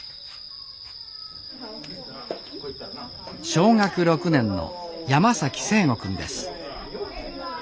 小学６年の山崎誠心くんです